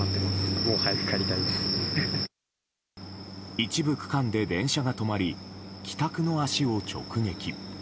一部区間で電車が止まり帰宅の足を直撃。